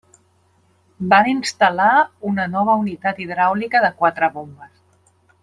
Van instal·lar una nova unitat hidràulica de quatre bombes.